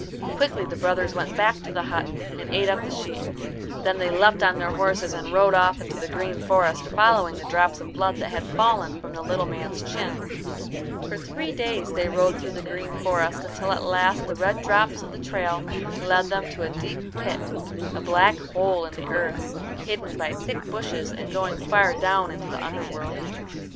Quickly the brothers went back to the hut and ate up the sheep. Then they leapt on their horses, and rode off into the green forest, following the drops of blood that had fallen from the little man's chin. For three days they rode through the green forest, until at last the red drops of the trail led them to a deep pit, a black hole in the earth, hidden by thick bushes and going far down into the underworld.